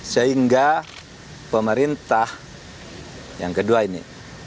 sehingga pemerintah yang kedua ini